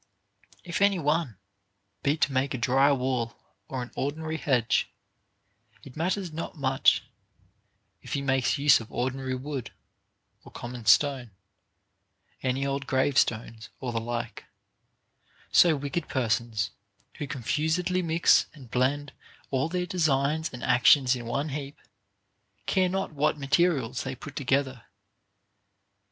If any one be to make a dry wall or an ordinary hedge, it matters not much if he makes use of ordinary wood or common stone, any old gravestones, or the like ; so wicked persons, who confusedly mix and blend all their designs and actions in one heap, care not what materials they put together.